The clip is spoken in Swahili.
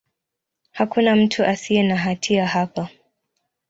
Hakuna mtu asiye na hatia hapa.